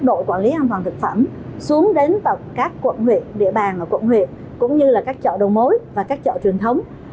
đội quản lý an toàn thực phẩm xuống đến tận các quận huyện địa bàn ở quận huyện cũng như là các chợ đầu mối và các chợ truyền thống